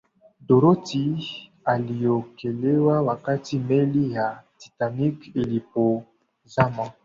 dorothy aliokolewa wakati meli ya titanic ilipozama